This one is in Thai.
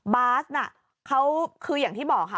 บาสน่ะเขาคืออย่างที่บอกค่ะ